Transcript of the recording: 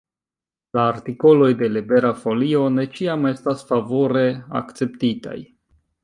La artikoloj de Libera Folio ne ĉiam estas favore akceptitaj.